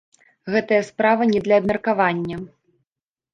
Гэтая справа не для абмеркавання.